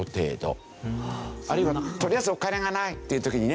あるいはとりあえずお金がないっていう時にね